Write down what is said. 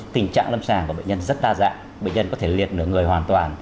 tình trạng lâm sàng của bệnh nhân rất đa dạng bệnh nhân có thể liệt nửa người hoàn toàn